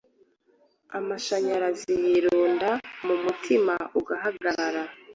amashanyarazi yirunda mu mutima ugahagarara ,